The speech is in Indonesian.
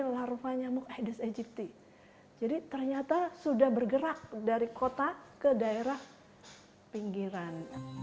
larva nyamuk aedes aegypti jadi ternyata sudah bergerak dari kota ke daerah pinggiran